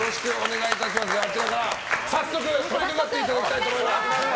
早速とりかかっていただきたいと思います！